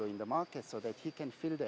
menemukan adblue di pasar